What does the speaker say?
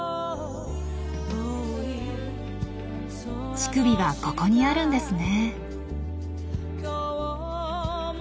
乳首はここにあるんですね。